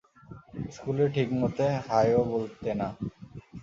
স্কুলে ঠিক মতে হাই ও বলতে না।